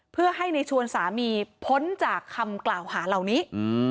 เพื่อให้ในชวนสามีพ้นจากคำกล่าวหาเหล่านี้